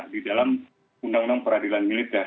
di dalam undang undang peradilan militer